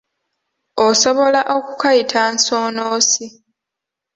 Osobola okukayita nsoonoosi.